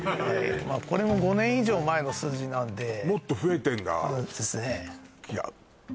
これも５年以上前の数字なんでもっと増えてんだ？